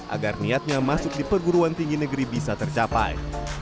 agar niatnya masuk di perguruan tinggi negeri bisa tercapai